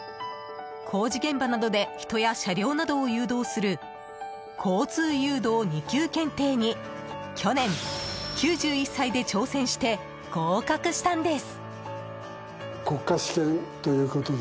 工事現場などで人や車両などを誘導する交通誘導２級検定に去年、９１歳で挑戦して合格したんです。